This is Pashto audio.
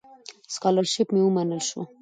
سکالرشیپ مې ومنل شو.